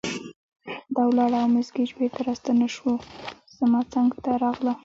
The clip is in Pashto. دا ولاړه او مس ګېج بیرته راستنه شوه، زما څنګ ته راغله.